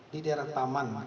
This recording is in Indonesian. di daerah taman